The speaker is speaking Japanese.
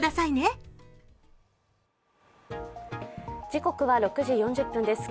時刻は６時４０分です。